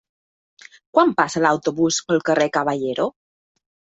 Quan passa l'autobús pel carrer Caballero?